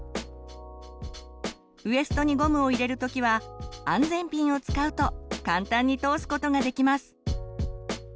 ウエストにゴムを入れる時は安全ピンを使うと簡単に通すことができます。